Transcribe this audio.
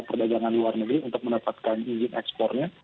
perdagangan luar negeri untuk mendapatkan izin ekspornya